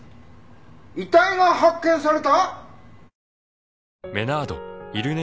遺体が発見された！？